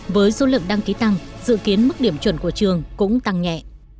với số lượng đăng ký tăng dự kiến mức điểm chuẩn của trường cũng tăng nhẹ